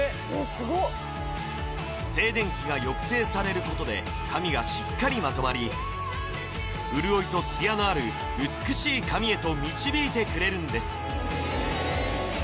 すごっ静電気が抑制されることで髪がしっかりまとまり潤いとツヤのある美しい髪へと導いてくれるんです